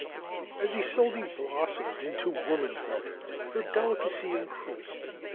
As Isolde blossomed into womanhood her delicacy in creased.